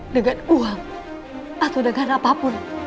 dengan uang atau dengan apapun